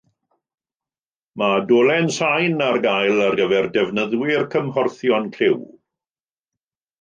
Mae dolen sain ar gael ar gyfer defnyddwyr cymhorthion clyw